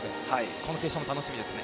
このレースも楽しみですね。